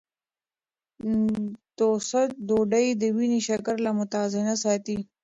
ټوسټ ډوډۍ د وینې شکره متوازنه ساتي.